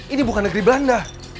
ini bukan negeri belanda